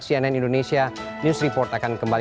cnn indonesia news report akan kembali